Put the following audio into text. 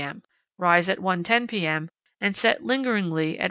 m., rise at 1.10 p.m., and set lingeringly at 1.